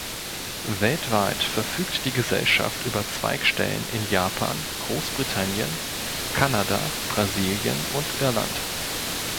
Weltweit verfügt die Gesellschaft über Zweigstellen in Japan, Großbritannien, Kanada, Brasilien und Irland.